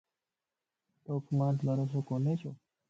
توکَ مانت بھروسو ڪوني؟